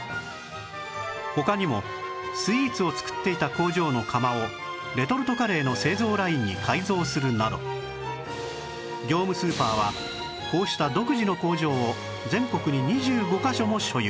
他にもスイーツを作っていた工場の釜をレトルトカレーの製造ラインに改造するなど業務スーパーはこうした独自の工場を全国に２５カ所も所有